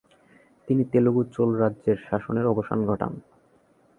তিনি তেলুগু চোল রাজ্যের শাসনের অবসান ঘটান।